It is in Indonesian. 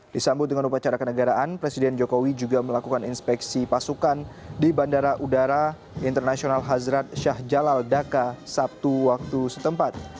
disambut dengan upacara kenegaraan presiden jokowi juga melakukan inspeksi pasukan di bandara udara internasional hazrat syah jalal dhaka sabtu waktu setempat